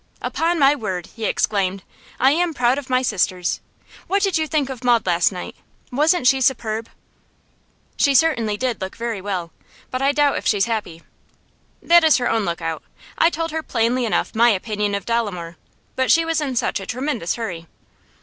'Upon my word,' he exclaimed, 'I am proud of my sisters! What did you think of Maud last night? Wasn't she superb?' 'She certainly did look very well. But I doubt if she's very happy.' 'That is her own look out; I told her plainly enough my opinion of Dolomore. But she was in such a tremendous hurry.